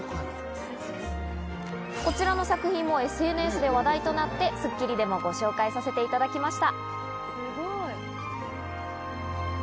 こちらの作品もＳＮＳで話題となって『スッキリ』でもご紹介させていただきました。